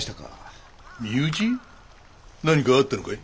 何かあったのかい？